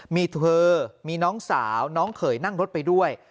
มีเธอมีน้องสาวน้องเขยนั่งรถไปด้วย